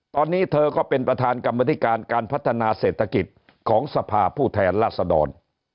ตอนนี้เธอก็เป็นประธานกรรมธิการการพัฒนาเศรษฐกิจของสภาผู้แทนราษดร